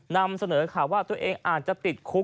นำเสนอข่าวว่าตัวเองอาจจะติดคุก